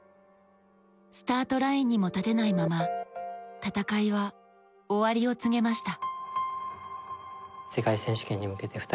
スタートラインにも立てないまま、戦いは終わりを告げました。